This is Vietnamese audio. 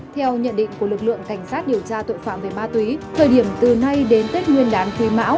theo nhận định của lực lượng cảnh sát điều tra tội phạm về ma túy thời điểm từ nay đến tết nguyên đáng thuê mão hai nghìn hai mươi ba